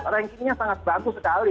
rankingnya sangat bagus sekali